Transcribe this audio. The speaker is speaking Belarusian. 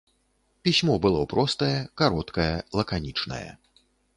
Пісьмо было простае, кароткае, лаканічнае.